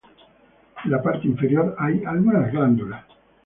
En la parte inferior hay algunas glándulas.